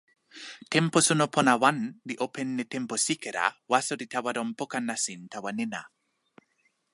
tenpo suno pona wan li open e tenpo sike la, waso li tawa lon poka nasin tawa nena.